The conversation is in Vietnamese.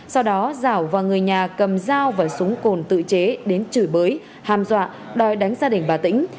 sau đó giảo và người nhà cầm dao và súng cồn tự chế đến chửi bới hàm dọa đòi đánh gia đình bà tĩnh